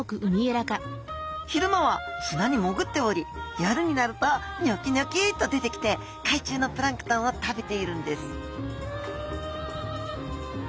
昼間は砂にもぐっており夜になるとニョキニョキッと出てきて海中のプランクトンを食べているんです